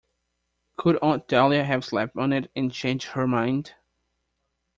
Could Aunt Dahlia have slept on it and changed her mind?